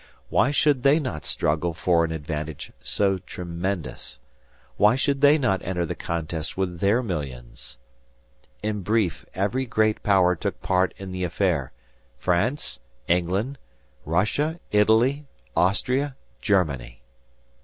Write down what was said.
Why should they not struggle for an advantage so tremendous? Why should they not enter the contest with their millions? In brief, every great Power took part in the affair, France, England, Russia, Italy, Austria, Germany.